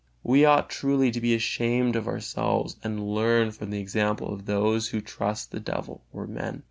We ought truly to be ashamed of ourselves and learn from the example of those who trust the devil or men.